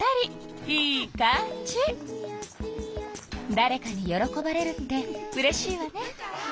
だれかに喜ばれるってうれしいわね。